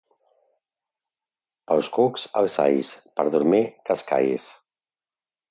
Pels cucs, els alls; per a dormir, cascalls.